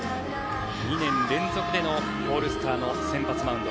２年連続でのオールスターの先発マウンド。